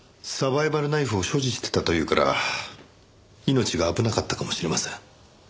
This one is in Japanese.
サバイバルナイフを所持してたというから命が危なかったかもしれません。